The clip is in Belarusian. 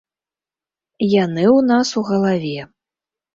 Яны ў нас у галаве.